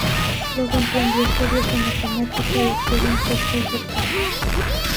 Luego emprendió estudios de matemática y obtuvo un tercer doctorado.